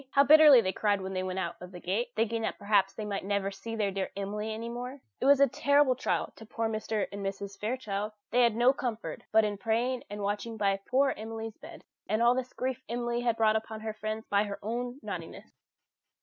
How bitterly they cried when they went out of the gate, thinking that perhaps they might never see their dear Emily any more! It was a terrible trial to poor Mr. and Mrs. Fairchild. They had no comfort but in praying and watching by poor Emily's bed. And all this grief Emily brought upon her friends by her own naughtiness.